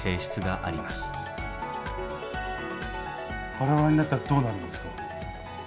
バラバラになったらどうなるんですか？